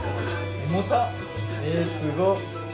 えっすごっ！